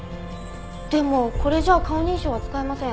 でもこれじゃあ顔認証は使えません。